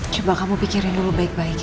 coba kamu pikirin dulu baik baik